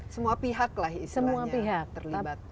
semua pihak lah istilahnya terlibat